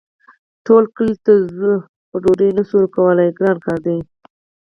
ټول کلي ته خو ډوډۍ نه شو ورکولی ګران کار دی.